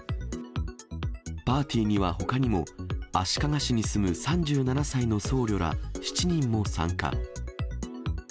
パーティーにはほかにも、足利市に住む３７歳の僧侶ら７人も参加。